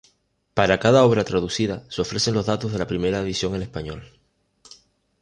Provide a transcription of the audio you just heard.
Para cada obra traducida, se ofrecen los datos de la primera edición en español.